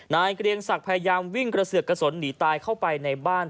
เกรียงศักดิ์พยายามวิ่งกระเสือกกระสนหนีตายเข้าไปในบ้าน